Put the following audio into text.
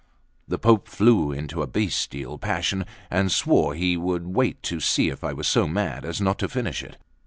The Pope flew into a bestial passion, and swore he would wait to see if I was so mad as not to finish it.